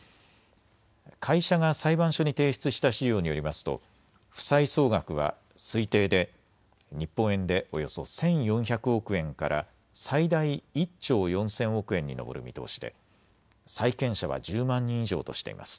会社が裁判所に提出した資料によりますと負債総額は推定で日本円でおよそ１４００億円から最大１兆４０００億円に上る見通しで債権者は１０万人以上としています。